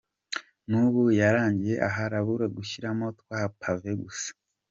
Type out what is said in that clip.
N’ubu yarangiye harabura gushyiramo twa pave gusa.